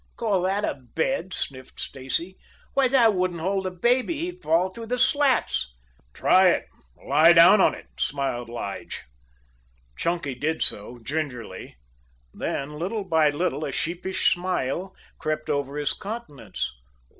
"Call that a bed?" sniffed Stacy. "Why, that wouldn't hold a baby. He'd fall through the slats." "Try it. Lie down on it," smiled Lige. Chunky did so, gingerly, then little by little a sheepish smile crept over his countenance.